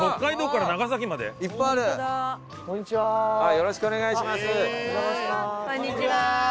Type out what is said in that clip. よろしくお願いします。